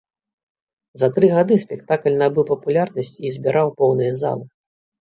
За тры гады спектакль набыў папулярнасць і збіраў поўныя залы.